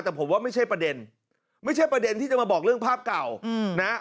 แต่ผมว่าไม่ใช่ประเด็นไม่ใช่ประเด็นที่จะมาบอกเรื่องภาพเก่านะ